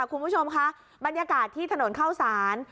แต่คุณผู้ชมค่ะบรรยากาศที่ถนนข้าวศาล